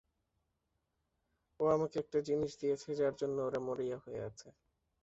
ও আমাকে একটা জিনিস দিয়েছে, যার জন্য ওরা মরিয়া হয়ে আছে।